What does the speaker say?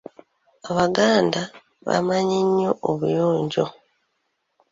Abaganda bamanyi nnyo obuyonjo.